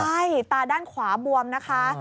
ใช่ตาด้านขวาบวมนะคะ